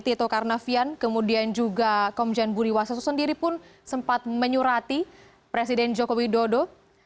tito karnavian kemudian juga komjen budi waseso sendiri pun sempat menyurati presiden joko widodo